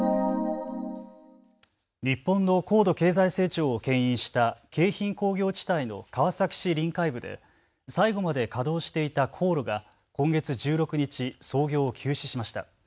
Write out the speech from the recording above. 日本の高度経済成長をけん引した京浜工業地帯の川崎市臨海部で最後まで稼働していた高炉が今月１６日、操業を休止しました。